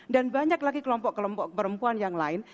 dan banyak lagi kelompok kelompok perempuan yang lain